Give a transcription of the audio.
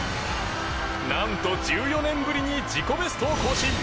何と１４年ぶりに自己ベストを更新！